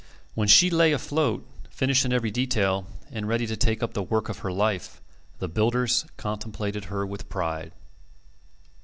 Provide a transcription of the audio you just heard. When she lay afloat, finished in every detail and ready to take up the work of her life, the builders contemplated her with pride.